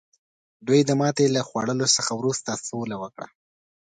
دوی د ماتې له خوړلو څخه وروسته سوله وکړه.